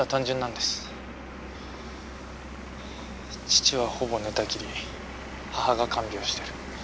父はほぼ寝たきり母が看病してる。